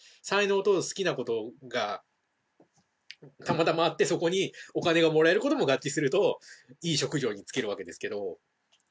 才能と好きなことがたまたまあってそこにお金がもらえることも合致するといい職業に就けるわけですけど。